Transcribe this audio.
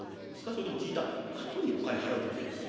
それとも聞いたあとにお金払うとこですか？